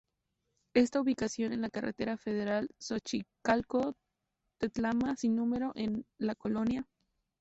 Está ubicado en la Carretera Federal Xochicalco-Tetlama sin número, en la Col.